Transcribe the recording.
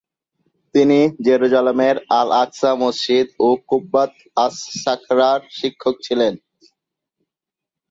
তিনি জেরুসালেমের আল-আকসা মসজিদ ও কুব্বাত আস-সাখরার শিক্ষক ছিলেন।